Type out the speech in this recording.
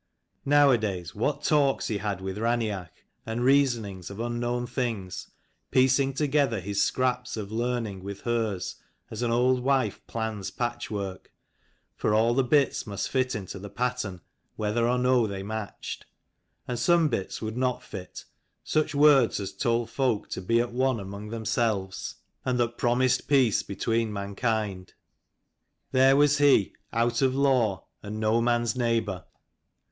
Nowadays, what talks he had with Raineach, and reasonings of unknown things, piecing together his scraps of learning with hers, as an old wife plans patchwork : for all the bits must fit into the pattern, whether or no they matched. And some bits would not fit, such words as told folk to be at one among themselves, and 270 that promised peace between mankind. There was he, out of law and no man's neighbour.